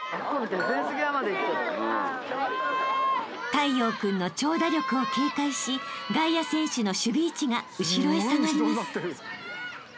［太陽君の長打力を警戒し外野選手の守備位置が後ろへ下がります］